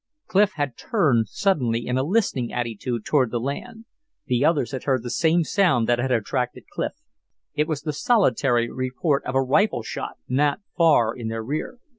Clif had turned suddenly in a listening attitude toward the land. The others had heard the same sound that had attracted Clif. It was the solitary report of a rifle shot not far in their rear.